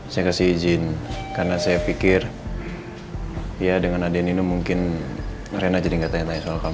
saya kasih izin karena saya pikir ya dengan ade ninu mungkin rena jadi gak tanya tanya soal kamu